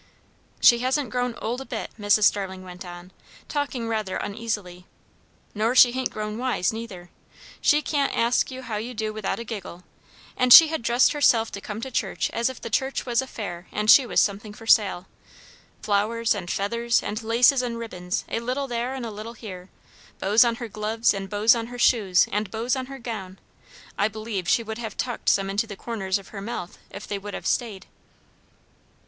"She hasn't grown old a bit," Mrs. Starling went on, talking rather uneasily; "nor she hain't grown wise, neither. She can't ask you how you do without a giggle. And she had dressed herself to come to church as if the church was a fair and she was something for sale. Flowers, and feathers, and laces, and ribbons, a little there and a little here; bows on her gloves, and bows on her shoes, and bows on her gown. I believed she would have tucked some into the corners of her mouth, if they would have stayed."